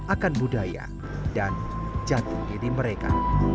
akan budaya dan jati diri mereka